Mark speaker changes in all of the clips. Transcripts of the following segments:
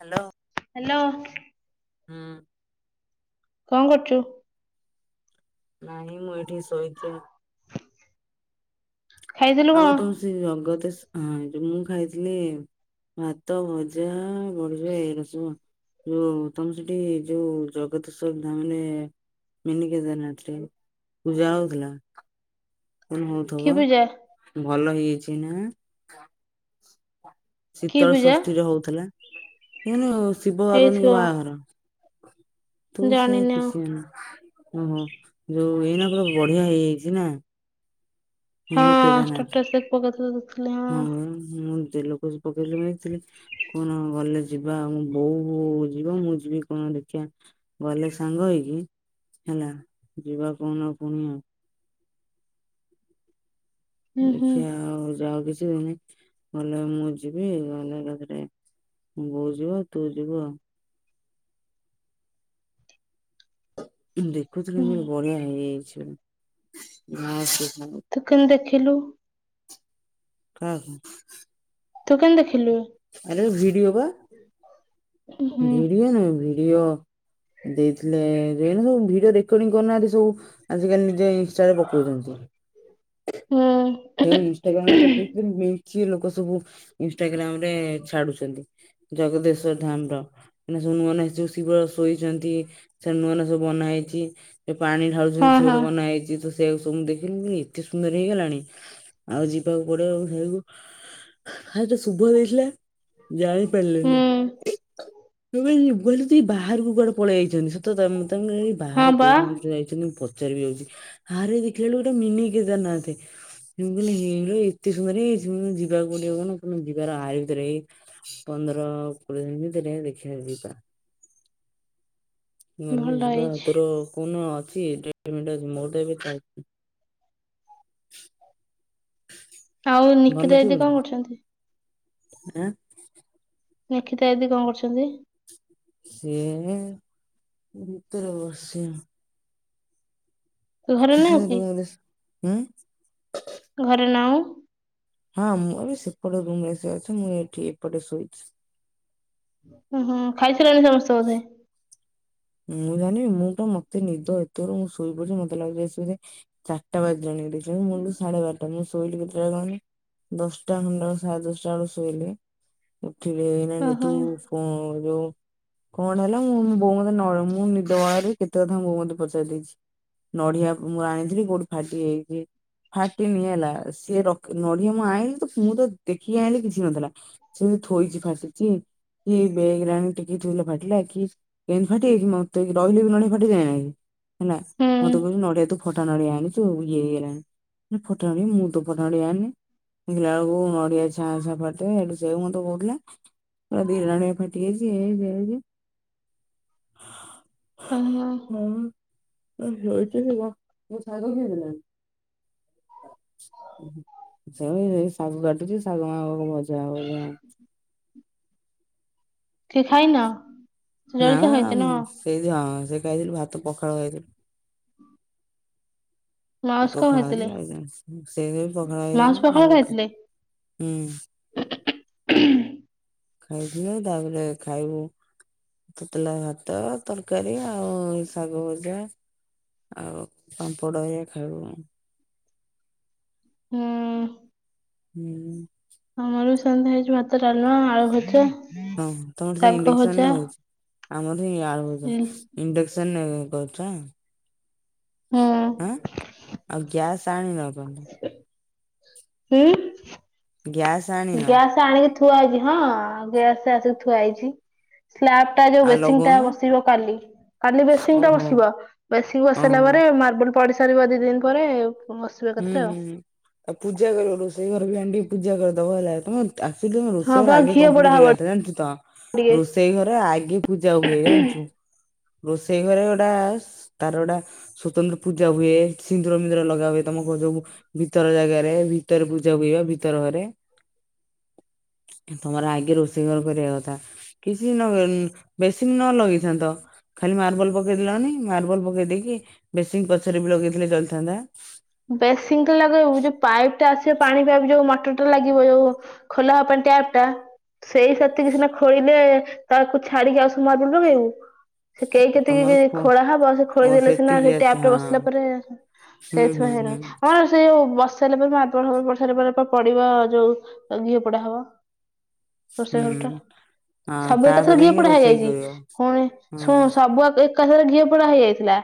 Speaker 1: Hello.
Speaker 2: Hello.
Speaker 1: ହୁଁ।
Speaker 2: କଣ କରୁଚୁ।
Speaker 1: ନାହିଁ ମୁଁ ଏଇଠି ଶୋଇକି
Speaker 2: ଖାଇଥିଲୁ କଣ?
Speaker 1: ଆଉ ତୋର ସେ ଜଗତେ ହଁ ଯୋଉ ମୁଁ ଖାଇଥିଲି ଭାତ ଭଜା ବଢ଼ିଆ ଏଇଗୁରା ସବୁ ଯଉ ତମ ସେଠି ଯୋଉ ଜଗତ ଶ୍ରଦ୍ଧା ମାନେ ମିନି କେଦାରନାଥରେ ପୂଜା ହଉଥିଲା। କଣ
Speaker 2: କି
Speaker 1: ହଉଥିବ
Speaker 2: ପୂଜା
Speaker 1: ଭଲ ହେଇଯାଇଛି ନା।
Speaker 2: କି
Speaker 1: ଶୀତଳ
Speaker 2: ପୂଜା
Speaker 1: ଷଷ୍ଠୀରେ ହଉଥିଲା ଦେଖିନ ଶିବ ପାର୍ବତୀଙ୍କର
Speaker 2: ହେଇଥିବ
Speaker 1: ବାହାଘର। [inaudible] ତୁ ସଳା
Speaker 2: ଜାଣିନି ଆଉ।
Speaker 1: କିଛି ଜାନିନୁ ଓହୋ ଯୋଉ ଏଇନା ପୁରା ବଢିଆ ହେଇଯାଇ ଚି ନା ମିନି
Speaker 2: ହଁ
Speaker 1: କେଦାରନାଥ।
Speaker 2: ଷ୍ଟାଟସ ପକେଇଥିଲୁ ଦେଖିଥିଲି
Speaker 1: ହଁ ପା ମୁଁ ସେ ଲୋକ ସବ ପକେଇଥିଲେ କୋଉ ଦିନ ଗଲେ ଯିବା ଆଉ ବୋଉ ଯିବ ମୁଁ ଯିବି କଣ ଦେଖିବା ଗଲେ ସାଙ୍ଗ ହେଇକି ହେଲା ଯିବା କଉଦିନ ପୁଣି ଆଉ।
Speaker 2: ହୁଁ ହୁଁ
Speaker 1: ଦେଖିିବା ଆଉ ଯାଉ କିଛି ଦିନ ଗଲେ ମୁଁ ଯିବି ଗଲେ ଏକାଥରେ ବୋଉ ଯିବ ତୁ ଯିବୁ ଆଉ ଦେଖୁଥିଲୁ
Speaker 2: ହୁଁ।
Speaker 1: ମ ବଢିଆ ହେଇଯାଇଛି ଜାଗା ମସ୍ତ ସାଙ୍ଗ।
Speaker 2: ତୁ କଣ ଦେଖିଲୁ।
Speaker 1: କ
Speaker 2: ତୁ କେମିତି ଦେଖି
Speaker 1: ଆରେ ଭିଡିଓ ବା
Speaker 2: ହୁଁ ହୁଁ।
Speaker 1: ଭିଡିଓ ନୁହଁ କି? ଭିଡିଓ ଦେଇଥିଲେ, ଏଇନା ସବୁ ଭିଡିଓ ରେକଡ଼ିଂ କରୁନାହାଁନ୍ତି ସବୁ ଆଜିକାଲି ଯିଏ ଇନଷ୍ଟାରେ ପକଉଚନ୍ତି ସବୁ ଯେଉଁ ଇନଷ୍ଟାଗ୍ରାମରେ ପକେଇଥିଲି କିଏ ଲୋକ ସବୁ ଇନଷ୍ଟାଗ୍ରାମରେ ଛାଡୁଛନ୍ତି, ଜଗଦେଶ ଧାମର ଯୋଉ ନୂଆ ନୂଆ ସବୁ ସେ ଯୋଉ ଶିବ ଶୋଇଚନ୍ତି, ସେ ନୂଆ ନୂଆ ସବୁ ବନା ହେଇଚି ଯୋଉ ପାଣି
Speaker 2: ହଁ
Speaker 1: ଢାଳୁଛନ୍ତି ସିଏ
Speaker 2: ହଁ
Speaker 1: ଗୋଟେ ବନା ହେଇଛି, ତ ସେୟାକୁ ସବୁ ମୁଁ ଦେଖିଲି, ମୁଁ କହିଲି ଏତେ ସୁନ୍ଦର ହେଇଗଲାଣି। ଆଉ ଯିବାକୁ ପଡିବ ଘରକୁ, କାଲି ତ ଶୁଭ ଦେଇଥିଲା। ଜାଣିପାରିଲେନି
Speaker 2: ହୁଁ
Speaker 1: ମୁଁ ଭାବିଲି ମୁଁ ଭାବିଲି ଟିକେ ବାହାରକୁ କୁଆଡେ ପଳେଇ ଆଇଚନ୍ତି ତ ତମେ ତାଙ୍କ
Speaker 2: ହଁ
Speaker 1: ବାହାରେ
Speaker 2: ବା
Speaker 1: କୋଉ ମନ୍ଦିର ଯାଇଚନ୍ତି, ମୁଁ ପଚା ପଚାରିବି ଯାଉଛି। ଆରେ ଦେଖିଲା ବେଳକୁ ଗୋଟେ ମିନି କେଦାରନାଥ। ମୁଁ କହିନି ହେଇରା ଏତେ ସୁନ୍ଦର ହେଇଯାଇଛି, ମୁଁ ଯିବାକୁ ପଡିବ କାରଣ ଯିବାର ଆରି ଭିତରେ ଏଇ ପନ୍ଦର କୋଡିଏ ଭିତରେ ଦେଖିବାକୁ ଯିବା। ଗଲେ
Speaker 2: ଭଲ
Speaker 1: ଯିବା ଆଉ।
Speaker 2: ହେଇଛି।
Speaker 1: ତୋର କୋଉନ ଅଛି। [unintelligible] ମୋର ତ ଏବେ
Speaker 2: ଆଉ
Speaker 1: ଭଲ
Speaker 2: ନିକିତା
Speaker 1: ଥିବ
Speaker 2: ଦିଦି
Speaker 1: ନା
Speaker 2: କଣ କରୁଚନ୍ତି?
Speaker 1: ଆଁ?
Speaker 2: ନିକିତା ଦିଦି କଣ କରୁଚନ୍ତି?
Speaker 1: ସିଏ ଭିତରେ ବସି ଆଉ।
Speaker 2: ଘରେ ନାହୁଁ କି?
Speaker 1: [unintelligible] ଆଁ?
Speaker 2: ଘରେ ନାହୁଁ।
Speaker 1: ହଁ ମୁଁ ଏବେ ସେପଟ ରୁମରେ ସେ ଅଛି, ମୁଁ ଏଠି ଏପଟେ ଶୋଇଛି।
Speaker 2: ହୁଁ ଖାଇସାଇଲଣି ସମସ୍ତେ ବୋଧେ।
Speaker 1: ମୁଁ ଜାଣିବିନି ମୁଁ ବା ମତେ ନିଦ ଏତରୁ ମୁଁ ଶୋଇପଡିଛି। ମତେ ଲାଗୁଛିି ଆସିକି ବୋଧେ ଚାରିଟା ବାଜିଲାଣି ବୋଲି। ମୂଳୁରୁ ସାଢେ ବାର ଟା। ମୁଁ ଶୋଇଲି କେତେଟା ବେଳେ କହନି? ଦଶଟା ଖଣ୍ଡେ ହବ ସାଢେ ଦଶଟା ବେଳକୁ ଶୋଇଲି ଉଠିଲି ଏଇନାକେ
Speaker 2: ଓହୋ
Speaker 1: ତୁ କ ଯୋଉ କଣ ହେଲା ମୁଁ ବୋଉ ମ ନଳ ମୁଁ ନିଦବାଉଳାରେ କେତେ କଥା ବୋଉ ମତେ ପଚାରି ଦେଇଛି। ନଢ଼ିଆ ମୁଁ ଆଣିଥିଲି କୋଉଠି ଫାଟି ଯାଇଚି ଫାଟିନି ହେଲା, ସିଏ ରଖି ନଢ଼ିଆ ମୁଁ ଆଇଁଲି ତ ମୁଁ ତ ଦେଖିକି ଆଇଁଲି କିଛି ନଥିଲା। ସେ ଥୋଇଛି ଫାଟିଛି, କି ବେଗରେ ଆଣି ଟେକିକି ଥୋଇଲା ଫାଟିଲା, କି କେମିତି ଫାଟିଯାଇଛି। ମତେ ରହିଲେ ବି ନଡିଆ ଫାଟିଯାଏ ନା କି ହେଲା।
Speaker 2: ହୁଁ
Speaker 1: ମତେ କହୁଛି ନଡିଆ ତୁ ଫଟା ନଡିଆ ଆଣିଚୁ ଇଏ ହେଇଗଲାଣି। ମୁଁ ଫଟା ନଡ଼ିଆ ମୁଁ ତ ଫଟା ନଡ଼ିଆ ଆଣିନି। ଦେଖିଲା ବେଳକୁ ନଡିଆ ଛାଁ ଛାଁ ଫାଟିଯାଇଛି, ସେଠୁ ସେୟା କୁ ମତେ କହୁଥିଲା କହିଲା ଦିଟା ନଡ଼ିଆ ଫାଟିଯାଇଛି, ଇଏ ହେଇଚି ସିଏ ହେଇଚି
Speaker 2: ହହୋ।
Speaker 1: ଓହ ଶୋଇଚି [unintelligible] ଶାଗ କିଏ ଦେଲାନି? ସେ ଶାଗ କାଟୁଛି ଶାଗ ମାଗ କଣ ଭଜା ହବ ବୋଧେ ଆଉ।
Speaker 2: [inaudible] କେହି ଖାଇନ?
Speaker 1: ନା
Speaker 2: ଜଳଖିଆ ଖାଇଛ ନା କଣ
Speaker 1: ସେଇଟି ହଁ ସେ ଖାଇଥିଲୁ ଭାତ ପଖାଳ ଖାଇଥିଲୁ।
Speaker 2: ମାଉସ କଣ
Speaker 1: ପଖାଳ
Speaker 2: ଖାଇଥିଲେ
Speaker 1: ହେଇଥିଲା। [unintelligible] ପଖାଳ
Speaker 2: ମାଉସ
Speaker 1: ହେଇଗଲା
Speaker 2: ପଖାଳ
Speaker 1: ମୁଁ
Speaker 2: ଖାଇଥିଲେ
Speaker 1: ହୁଁ।
Speaker 2: [inaudible]
Speaker 1: ଖାଇଥିଲୁ ତାପରେ ଖାଇବୁ ତତଲା ଭାତ, ତରକାରୀ ଆଉ ଶାଗ ଭଜା ଆଉ ପାମ୍ପଡ଼ ହେରିକା ଖାଇବୁ ଆଉ।
Speaker 2: ହୁଁ।
Speaker 1: ହୁଁ।
Speaker 2: ଆମର ବି ସେମିତି ହେଇଛି ଭାତ ଡ଼ାଲମା ଆଳୁ ଭଜା।
Speaker 1: ହଁ ତମର ସେଇ
Speaker 2: ଶାଗ
Speaker 1: ଇଣ୍ଡେକ୍ସନ
Speaker 2: ଭଜା
Speaker 1: ରେ ହଉଛି ଆମର ସେଇ ଆଳୁ ଭଜା
Speaker 2: ହୁଁ
Speaker 1: ଇଣ୍ଡେକସନ ଏ। କରୁଚ ଆଁ ଆଉ ଗ୍ୟାସ୍ ଆଣିନ। କୁହନ୍ତୁ।
Speaker 2: ହୁଁ।
Speaker 1: ଗ୍ୟାସ୍ ଆଣିନ।
Speaker 2: ଗ୍ୟାସ ଆଣିକି ଥୁଆ ହେଇଛି ହଁ ଗ୍ୟାସ ଆସିକି ଥୁଆ ହେଇଛି। ସ୍ଲାବ ଟା ଯୋଉ
Speaker 1: ଆଉ
Speaker 2: ବେଶିନ ଟା
Speaker 1: ଲଗଉନ
Speaker 2: ବସିବ କାଲି। କାଲି ବେସିନ ଟା
Speaker 1: ଓହୋ
Speaker 2: ବସିବ ବେଶୀନ ବସ ସାଇଲା
Speaker 1: ଓହୋ
Speaker 2: ପରେ ମାର୍ବଲ ପଡି ସାରିବ ଦି ଦିନ ପରେ। ବସିବ
Speaker 1: ହୁଁ
Speaker 2: ଏକାଥରେ ଆଉ
Speaker 1: ହୁଁ ହୁଁ ଆଉ ପୂଜା କରିବ ରୋଷେଇ ଘର ବି ମେନ ଟିକେ ପୂଜା କରିଦବ ହେଲା ତମ ଆକ୍ଚୁଲି ତମ
Speaker 2: ହଁ
Speaker 1: ରୋଷେଇ ଘର
Speaker 2: ବା
Speaker 1: ଆଗେ
Speaker 2: ଘିଅ ପୋଡା
Speaker 1: କମ୍ପ୍ଲିଟ
Speaker 2: ହବ
Speaker 1: କରିବା କଥା ଜାଣିଚୁ ତ।
Speaker 2: ଟିକେ।
Speaker 1: ରୋଷେଇ ଘରେ ଆଗେ ପୂଜା ହୁଏ ଜାଣିଛୁ। ରୋଷେଇ ଘରେ ଗୋଟା ତାର ଗୋଟା ସ୍ଵତନ୍ତ୍ର ପୂଜା ହୁଏ ସିନ୍ଦୁର ମିିନ୍ଦୁର ଲଗା ହୁଏ। ତମକୁ ଯୋଉ ଭିତର ଜାଗାରେ ଭିତରେ ପୂଜା ହୁଏ ଭିତର ଘରେ। ତମର ଆଗେ ରୋଷେଇ ଘର କରିବା କଥା କିଛି ନ କର ନ ବେସିନ ନ ଲଗେଇ ଥାନ୍ତ ଖାଲି ମାର୍ବଲ ପକେ ପକେଇଦେଲନି ମାର୍ବଲ ପକେଇ ଦେଇକି ବେଶୀନ ପଛରେ ବି ଲଗେଇଥିଲେ ଚଳିଥାନ୍ତା।
Speaker 2: ବେଶିନ ଟା ଲଗେଇବୁ ଯୋଉ ପାଇପ୍ ଟା ଆସିବ ପାଣି ପାଇପ ଯୋଉ ମଟର ଟା ଲାଗିବ ଯୋଉ ଖୋଲା ହବା ପାଇଁ ଟ୍ୟା ଟ୍ୟାପ ଟା ସେଇ ସେତିକି ସିନା ଖୋଳିଲେ ତାକୁ ଛାଡିକି ଆଉ ସବୁ ମାର୍ବଲ ଲଗେଇବୁ। ସେଇ କେତିକି
Speaker 1: ତମର
Speaker 2: ଯେ
Speaker 1: ଖୋ
Speaker 2: ଖୋଳା ହବ ସେ
Speaker 1: ଓ
Speaker 2: ଖୋଳି ଦେଲେ ସିନା
Speaker 1: ସେତିକି
Speaker 2: ସେ
Speaker 1: ଆସେ
Speaker 2: ଟ୍ୟାପ ଟା
Speaker 1: ହଁ
Speaker 2: ବସିଲା ପରେ ହୁଁ
Speaker 1: ହୁଁ
Speaker 2: ସେ
Speaker 1: ହୁଁ
Speaker 2: ସେଥିପାଇଁ
Speaker 1: ହୁଁ
Speaker 2: ହେଇନି ଆମର ରୋଷେଇ ହଉ ବସ ବସ ଶାଇଲା ପରେ ମାର୍ବଲ ସବୁ ପଡ଼ି ସାରିଲା ପରେ ପା ପଡିବ ଯଉ ଅ ଘିଅ ପୋଡା ହବ। ରୋଷେଇ ଘରଟା
Speaker 1: ହୁଁ। ହଁ
Speaker 2: ସବୁ ଏକାଥରେ
Speaker 1: ତାପରେ
Speaker 2: ଘିଅ
Speaker 1: ଯାଇକି
Speaker 2: ପୋଡା
Speaker 1: ରୋଷେଇ
Speaker 2: ହେଇଯାଇଛି
Speaker 1: କରିବ।
Speaker 2: ଫୁଣି ଶୁଣ
Speaker 1: ହଁ
Speaker 2: ସବୁ ଏକ ଏକାଥରେ ଘିଅ ପୋଡା ହେଇଯାଇଥିଲା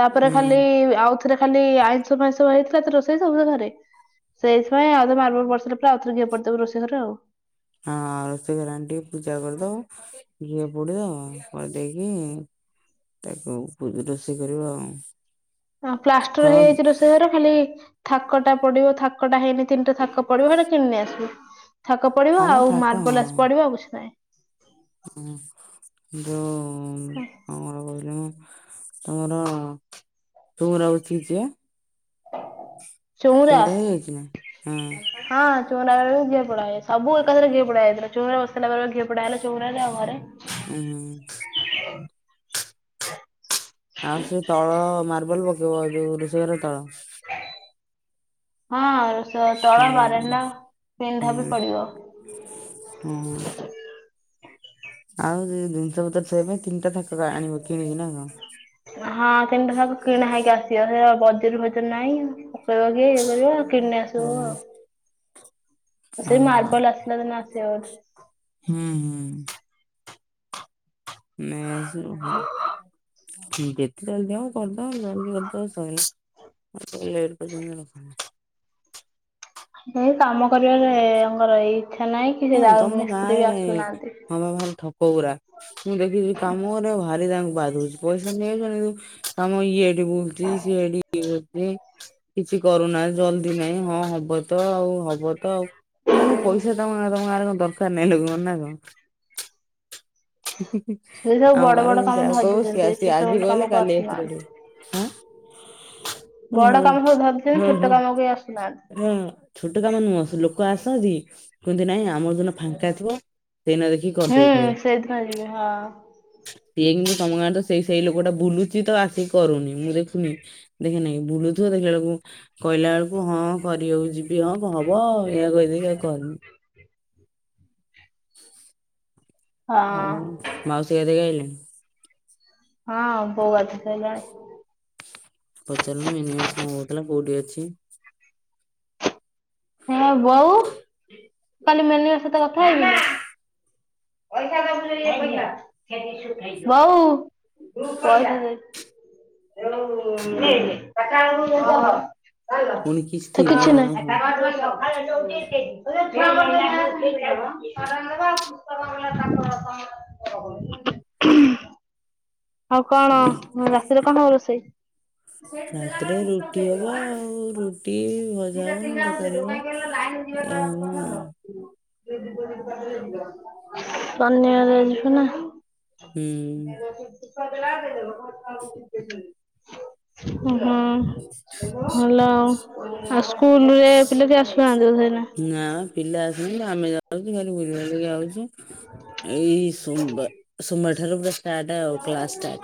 Speaker 2: ତାପରେ
Speaker 1: ହୁଁ
Speaker 2: ଖାଲି ଆଉଥରେ ଖାଲି ଆଇ ଆଇଁଷ ଫାଇଁଶ ହେଇଥିଲା ତ ରୋଷେଇ ସବୁ ସେ ଘରେ। ସେଇଥିପାଇଁ ଆଉଥରେ ମାର୍ବଲ ପଡିଲା ସାରିଲା ପରେ ଆଉଥରେ ଘିଅ ପୋଡିଦବୁ ରୋଷେଇ ଘରେ ଆଉ।
Speaker 1: ହଁ ରୋଷେଇ ଘରେ ଆଣି ଟିକେ ପୂଜା କରିଦବ ଘିଅ ପୋଡି ଦବ ପୋଡିଦେଇକି। ତାକୁ ପୂ ରୋଷେଇ କରିବ ଆଉ।
Speaker 2: ହଁ
Speaker 1: ତ
Speaker 2: ପ୍ଲାଷ୍ଟର ହେଇଯାଇଛି ରୋଷେଇ ଘର ଖାଲି। ଥାକଟା ପଡିବ ଥାକଟା ହେଇନି ତିନିଟା ଥାକ ପଡିବ ହେଟା କିଣିନେଇ ଆସିବୁ। ଥାକ
Speaker 1: ହଁ
Speaker 2: ପଡିବ
Speaker 1: ମ
Speaker 2: ଆଉ ମାର୍ବଲ ଆସି ପଡିବ ଆଉ କିଛି ନାହିଁ।
Speaker 1: ହୁଁ ଯୋଉ କଣ ଗୋଟେ କହୁଥିଲି ମୁଁ। ତମର ଚଉଁରା ହଉଚି କିଏ?
Speaker 2: ଚଉଁରା
Speaker 1: ନା? ହୁଁ
Speaker 2: ହଁ ଚଉ ଚଉରା ମୂଳ ରେ ବି ପୋଡାହୁଏ ସବୁ ଏକାଥରେ ଘିଅ ପୋଡାହେଇଥିଲା ଚଉଁରା ବସ ସାଇଲା ପରେ ପା ଘିଅ ପୋଡା ହେଲା ଚଉଁରା ଆଉ ଘରେ।
Speaker 1: ହୁଁ ହୁଁ।
Speaker 2: ଠଂଗ, ଠଙ୍ଗ
Speaker 1: ଆଉ ସେ ତଳ ମାର୍ବଲ ପକେଇବ ଯୋଉ ରୋଷେଇ ଘର ତଳ।
Speaker 2: ହଁ।
Speaker 1: ହୁଁ
Speaker 2: ତ-ତଳ ବାରେଣ୍ଡା ପିଣ୍ଡା ବି
Speaker 1: ହୁଁ।
Speaker 2: ପଡିବ।
Speaker 1: ହୁଁ ଆଉ ଯଉ ଏଇ ଜିନିଷ ପତ୍ର ଥୋଇବା ପାଇଁ। ତିନିଟା ଥାକ ଆଣିବ କିଣିକି ନା କଣ?
Speaker 2: ହଁ ତିନିଟା ସପ କିଣା ହେଇକି ଆସିବ ସେ ପା ବ ତିରୁ କତିରେ ନାଇଁ ପକେଇବ କିଏ ଇଏ କରିବ କିଣି ନେଇ ଆସିବୁ ଆଉ। ସେ ମାର୍ବଲ ଆସିଲା ଦିନ ଆସିବ ବୋଧେ।
Speaker 1: ହୁଁ ହୁଁ। ନେଇଆସିବୁ ଭଲ। ଯେତେ ଜଲଦି ହବ କରିଦବ ଜଲଦି କରିଦବ ସଇଲା। ଆଉ ତାକୁ ଲେଟ କରିକି ତମେ ରଖନି।
Speaker 2: ଏଇ, କାମ କରିବାରେ ଆଙ୍କର ଏଇ
Speaker 1: ହଁରେ, ତମ ଗାଁରେ ହଁ, ପା, ଭାରି ଠକ ଗୁରା ମୁଁ ଦେଖିଛିି କାମକରିବାକୁ ଭାରି ତାଙ୍କୁ ବାଧୁଚି ପଇସା ନେଇଯାଉଛନ୍ତି ତମ ଇଏ ଏଠି ବୁଲୁଛି ସିଏ ସେଠି ଇଏ ହେ କିଛି କରୁନାନ୍ତି ଜଲଦି ନାଇଁ ହଁ ହବ ତ ଆଉ ହବ ତ ଆଉ, ମାନେ ପଇସା ତମ, ତମ ଆଡେ କଣ ଦରକାର ନାହିଁ ଲୋକଙ୍କ ନା କଣ? ହୁଁ, ହୁଁ,
Speaker 2: ସେ ସବୁ
Speaker 1: ଆମ
Speaker 2: ବଡ
Speaker 1: ଗାଁରେ
Speaker 2: ବଡ
Speaker 1: କିନ୍ତୁ
Speaker 2: କାମ
Speaker 1: ଯାହାକୁ
Speaker 2: ଧରି
Speaker 1: କହିବୁ ସେ
Speaker 2: ଦେଇଛନ୍ତି
Speaker 1: ଆଜି
Speaker 2: ଛୋଟ
Speaker 1: ଆସି
Speaker 2: ମୋଟ
Speaker 1: କହିଲେ
Speaker 2: କାମକୁ
Speaker 1: କାଲି ଆସିକରିବେ,।
Speaker 2: ଆସୁନାହାନ୍ତି।
Speaker 1: ଆଁ।
Speaker 2: ବଡ
Speaker 1: ଓହୋଃ,
Speaker 2: କାମ ସବୁ ଧରିଛନ୍ତି
Speaker 1: ହୁଁ,
Speaker 2: ଛୋଟ କାମ କେହି ଆସୁନାହାନ୍ତି।
Speaker 1: ହୁଁ ଛୋଟ କାମ ନୁହଁ ସେ ଲୋକ ଲୋକ ଆସନ୍ତି କୁହନ୍ତି ନାଇଁ ଆମର ଯେଉଁ ଦିନ ଫାଙ୍କା ଥିବ ସେଇଦିନ ଦେଖିକି
Speaker 2: ହୁଁ
Speaker 1: କରିଦେଇଥିବେ।
Speaker 2: ସେଇଦିନ ଯିବି ହଁ।
Speaker 1: ଏଇନେ ତମ ଗାଁରେ ସେଇ ସେଇ ଲୋକଟା ବୁଲୁଛି ତ ଆସିକି କରୁନି ମୁଁ ଦେଖୁନି ଦେଖେନାକି ବୁଲୁଥିବ ଦେଖ ସେତେବେଳକୁ କହିଲା ବେଳକୁ ହଁ କରିବାକୁ ଯିବି ହଁ ହବ ଏଇଆ କହି ଦେଇକି ଆଉ କରିନି। ହଁ ମାଉସୀ ଗାଧେଇକି ଆଇଲେଣି?
Speaker 2: ହଁ ବୋଉ ଗାଧେଇ ସାଇଲେଣି।
Speaker 1: ପଚାରୁନୁ ମିନିମେସ କଣ କହୁଥିଲା କୋଉଠି ଅଛି?
Speaker 2: ହେ ବୋଉ କାଲି ମେନିଙ୍କ ସହିତ କଥା ହେଇଥିଲୁ? ବୋଉ। ପଇସା ଦେ
Speaker 1: ପୁଣି
Speaker 2: ତ
Speaker 1: କିସ୍ତି
Speaker 2: କିଛି
Speaker 1: ବାହାରିଲା
Speaker 2: ନାହିଁ।
Speaker 1: ନା କଣ
Speaker 2: ଟିକେ ଟିକେ [inaudible]
Speaker 1: [inaudible]
Speaker 2: ଆଉ କଣ
Speaker 1: ହେଲା?
Speaker 2: ରାତିରେ କଣ ହବ ରୋଷେଇ? ସେଇଠି ଦେଲା
Speaker 1: ରାତିରେ
Speaker 2: ବେଳକୁ ପୁସ୍ତକ
Speaker 1: ରୁଟି
Speaker 2: ଦେଇ ଦେବୁ
Speaker 1: ହବ
Speaker 2: ହାଁ,
Speaker 1: ଆଉ ରୁଟି ଭଜା
Speaker 2: ଦିଟା
Speaker 1: ହବ ନହେଲେ
Speaker 2: ତିନଟା ବେଳକୁ
Speaker 1: ତରକାରୀ
Speaker 2: ଦେଇଦେବୁ
Speaker 1: ହବ।
Speaker 2: କାହିଁକି କହିଲ ଲାଇନ ତିନି
Speaker 1: ଏଇଆ
Speaker 2: ହଜାର
Speaker 1: ହବ
Speaker 2: ପଠା
Speaker 1: ଆଉ
Speaker 2: ତ ଶନିବାରେ ଯିବୁ ନା? ହୁଁ। ହୁଁ ଭଲ ଆଉ, ଆଉ ସ୍କୁଲ ରେ ପିଲା କିଏ ଆସୁ ନାହାନ୍ତି।
Speaker 1: ନା ପିଲା ଆସେନି କିନ୍ତୁ ଆମେ ଯାଉ ଯାଉଛୁ ଖାଲି ବୁଲା ବୁଲି କରି ଆଉଛୁ। ଏଇ ସୋମବାର ସୋମବାର ଠାରୁ ପୁରା ଷ୍ଟାର୍ଟ ଆଉ କ୍ଲାସ ଷ୍ଟାର୍ଟ।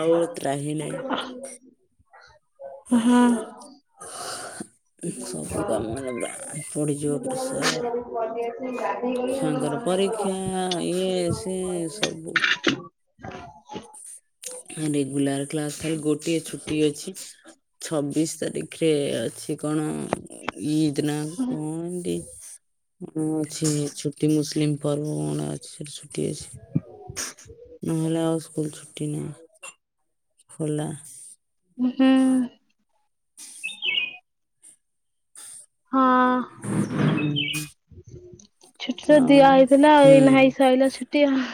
Speaker 1: ଆଉ ତ୍ରାହି ନାହିଁ
Speaker 2: ହୁଁ।
Speaker 1: ହ ସବୁ କାମ ହେଲା ପୁରା ପଡିଯିବ ପ୍ରେସର ଛୁଆଙ୍କର ପ ପରୀକ୍ଷା ଇଏ ସିଏ ସବୁ
Speaker 2: [inaudible]
Speaker 1: ରେଗୁଲାର କ୍ଲାସ ଖାଲି ଗୋଟିଏ ଛୁ ଟିଅଛି ଛବିଶ ତାରିଖରେ ଅଛି। କଣ ଇଦ ନା କଣ ଏମିତି ଅଛି ଛୁଟି ମୁସଲିମ ପର୍ବ କଣ ଅଛି ଛୁ ଟି ଅଛି ନହେଲେ ଆଉ ସ୍କୁଲ ଛୁଟି ନାହିଁ। ଖୋଲା।
Speaker 2: ହୁଁ। ହଁ
Speaker 1: ହୁଁ।
Speaker 2: ଛୁଟି ତ ଦିଆ ହେଇଥିଲା
Speaker 1: ହୁଁ
Speaker 2: ଏଇ ନାଇଁ ସରିଲା ଛୁଟି ଆଉ।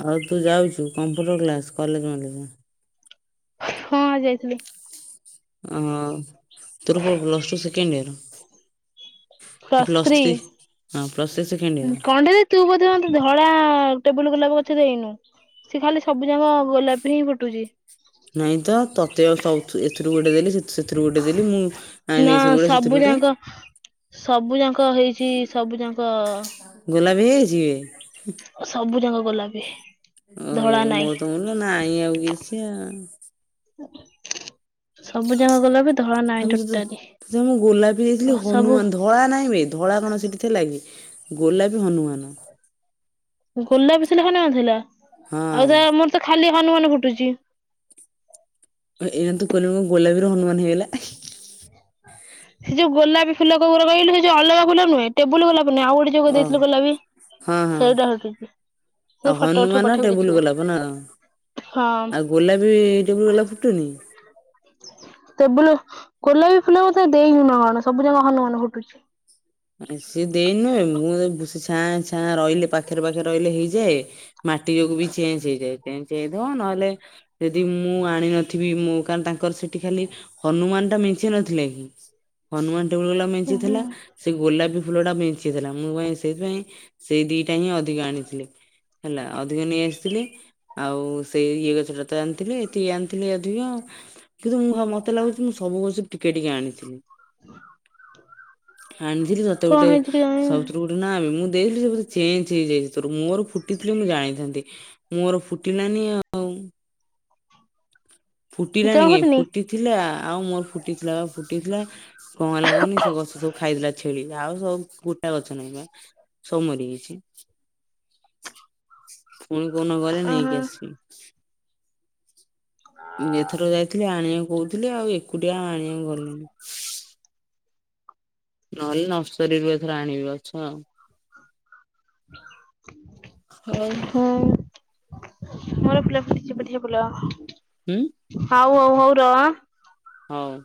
Speaker 1: ଆଉ ତୁ ଯାଉଛୁ କମ୍ପ୍ୟୁଟର କ୍ଲାସ କଲେଜ ମ
Speaker 2: ହଁ ଯାଇଥିଲି।
Speaker 1: ହଁ ତୋର କଣ plus two second year?
Speaker 2: Plus three.
Speaker 1: ହଁ ପ୍ଲସ ଥ୍ରୀ ସେକେଣ୍ଡ ଇୟର
Speaker 2: କଣ ଟା ଯେ ତୁ ବୋଧେ ମୋତେ ଧଳା ଟେବୁଲ ଗୋଲାପ ଗଛ ଦେଇନୁ ସେ ଖାଲି ସବୁ ଯାଙ୍କ ଗୋଲାପି ହିଁ ଫୁଟୁଚି।
Speaker 1: ନାଇଁ ତ ତତେ ସବୁଥୁ ଏଥିରୁ ଗୋଟେ ଦେଲି ସେଥି ସେଥିରୁ ଗୋଟେ ଦେଲି ମୁଁ ଆଇଁଲି
Speaker 2: ନା
Speaker 1: ଏଥୁରୁ ଗୋଟେ
Speaker 2: ସବୁ
Speaker 1: ସେଥିରୁ ଗୋଟେ।
Speaker 2: ଯାକ ସବୁ ଯାଙ୍କ ହେଇଛି ସବୁ ଯାଙ୍କ
Speaker 1: ନେଇଯାଇଚି କିବେ?
Speaker 2: ସବୁ ଯାଙ୍କ ଗୋଲାପି
Speaker 1: ଓ ହେଇ ମୋର ତ ମୁଳୁରୁ ନାହିଁ ଆଉ କିଛି ଆଉ
Speaker 2: ସବୁ ଯାକା ଗୋଲାପି
Speaker 1: ଆବେ ସେଥିରେ ତତେ ମୁଁ ଗୋଲାପୀ ଦେଇଥିଲି
Speaker 2: ସବୁ
Speaker 1: ହନୁମାନ ଧଳା ନାହିଁ ବେ ଧଳା କଣ ସେଠି ଥିଲା କି? ଗୋଲାପୀ ହନୁମାନ
Speaker 2: ଗୋଲାପି ସିଲଖ ନଥିଲା
Speaker 1: ହଁ
Speaker 2: ଆଉ ତା ମୋର ତ ଖାଲି ହନୁମାନ ଫୁଟୁଚି।
Speaker 1: ଏଁ ଏନା ତୁ କହିଲୁଣୁ ଗୋଲାପି ରୁ ହନୁମାନ ହେଇଗଲା।
Speaker 2: ସେ ଯୋଉ ଗୋଲାପି ଫୁଲ କୋଉ ଗୁରା କହିଲୁ ହେଇ ଜୋଉ ଅଲଗା ଫୁଲ ନୁହେଁ ଟେବଲୁ ଗୋଲାପ ମାନେ ଆଉ ଗୋଟେ ଯ‌ଉ
Speaker 1: ଓ
Speaker 2: ଦେଇଥିଲୁ ଗଲାପି
Speaker 1: ହଁ ହଁ
Speaker 2: ସେଇଟା ହଉଚି।
Speaker 1: ଆଉ ହନୁମାନ ଟେବୁଲୁ ଗୋଲାପ ନା?
Speaker 2: ହଁ
Speaker 1: ଆଉ ଗୋଲାପୀ ଟେବୁଲ୍ ଗୋଲାପ ଫୁଟୁନି?
Speaker 2: ଟେବୁଲୁ ଗୋଲାପୀ ଫୁଲ ମୋତେ ଦେଇନୁ ନା କଣ ସବୁ ଯାକ ହନୁମାନନୁ ଫୁଟୁଚି।
Speaker 1: ସି ଦେଇ ନୁହେଁ ମୁଁ ଛାଁ ଛାଁ ରହିଲେ ପାଖରେ ପାଖରେ ରହିଲେ ହେଇଯାଏ ମାଟି ଯୋଗୁ ବି ଚେଞ୍ଚ୍ ହେଇଯାଏ ଚେଞ୍ଚ୍ ହେଇଥବ ନହେଲେ ଯଦି ମୁଁ ଆଣି ନଥିବି ମୁଁ କାନ୍ ତାଙ୍କର୍ ସେଠି ଖାଲି ହନୁମାନ୍ ଟା ମେଞ୍ଚେ ନଥିଲାକି? ହନୁମାନ ଟେବୁଲ୍ ଗଲାପ
Speaker 2: ହୁଁ
Speaker 1: ମେଞ୍ଚେ
Speaker 2: ହୁଁ
Speaker 1: ଥିଲା। ସେ ଗୋଲାପୀ ଫୁଲ ଟା ମେଞ୍ଚେଥିଲା ମୁଁ ପାଇଁ ସେଇଥିପାଇଁ ସେଇ ଦିଟା ହିଁ ଅଧିକ ଆଣିଥିଲି। ହେଲା ଅଧିକ ନେଇ ଆସିଥିଲି ଆଉ ସେଇ ଇଏ ଗଛ ଟା ତ ଆଣିଥିଲି ଏତିକି ଆଣିଥିଲି ଅଧିକ। କିନ୍ତୁ ମୁଁ ଭ ମତେ ଲାଗୁଛି ମୁଁ ସବୁ ଗଛ ରୁ ଟିକେ ଟିକେ ଆଣିଥିଲି। ଆଣିଥିଲି ତତେ
Speaker 2: କଣ
Speaker 1: ଗୋଟେ
Speaker 2: ହେଇଛି କେଜାଣି
Speaker 1: ସବୁଥିରୁ ଗୋଟେ ନାବେ ମୁଁ ଦେଇଥିଲି ସେ ଚେଞ୍ଚ୍ ହେଇଯାଇ ଥୁରୁ ମୋର ଫୁଟିଥିଲି ମୁଁ ଜାଣିଥାନ୍ତି ମୋର ଫୁଟିଲାନି ଆଉ ଫୁଟିଲାଣି
Speaker 2: ଜମା
Speaker 1: କାଇଁ
Speaker 2: ଫୁଟିନି
Speaker 1: ଫୁଟିଥିଲା ଆଉ ମୋର ଫୁଟିଥିଲା ବା ଫୁଟିଥିଲା କଣ ହେଲା କହନି ସେ ଗଛ ସବୁ ଖାଇଥିଲା ଛେଳି ଆଉ ସବୁ ଗଛ ନାଇଁ ବା ସବୁ ମରିଯାଇଚି। ପୁଣି କୋଉଦିନ ଗଲେ
Speaker 2: ଅହ
Speaker 1: ନେଇକି ଆସିବି। ଏଥର ଯାଇଥିଲି ଆଣିବାକୁ କହୁଥିଲି ଆଉ ଏକୁଟିଆ ଆଣିବାକୁ ଗଲିନି। ନହେଲେ ନର୍ସରୀରୁ ଏଥର ଆଣିବି ଗଛ ଆଉ। ହଁ।
Speaker 2: ହୁଁ ମୋର ଫୁଲ ଫୁଟିଚି ବଢିଆ ଫୁଲ
Speaker 1: ହୁଁ
Speaker 2: ହଉ ହଉ ହଉ ର ଆଁ
Speaker 1: ହଉ।